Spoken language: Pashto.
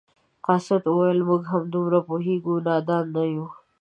قاصد وویل موږ هم دومره پوهیږو نادان نه یو.